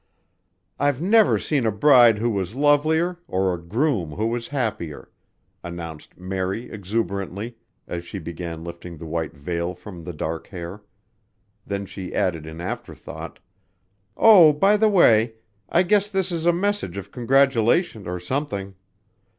"I've never seen a bride who was lovelier, or a groom who was happier," announced Mary exuberantly as she began lifting the white veil from the dark hair. Then she added in afterthought: "Oh, by the way, I guess this is a message of congratulation or something.